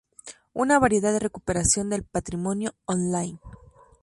Una variedad de recuperación del patrimonio "on line".